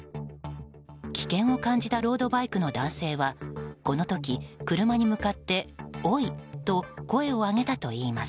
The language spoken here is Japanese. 危険を感じたロードバイクの男性はこの時車に向かっておいと声を上げたといいます。